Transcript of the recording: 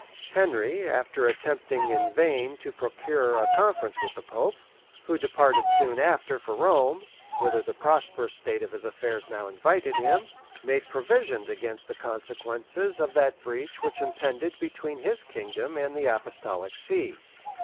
Henry, after attempting in vain to procure a conference with the pope, who departed soon after for Rome, whither the prosperous state of his affairs now invited him, made provisions against the consequences of that breach which impended between his kingdom and the apostolic see.